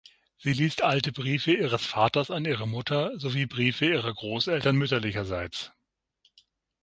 Sie liest alte Briefe ihres Vaters an ihre Mutter sowie Briefe ihrer Großeltern mütterlicherseits.